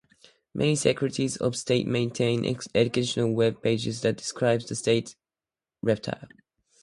Many secretaries of state maintain educational web pages that describe the state reptile.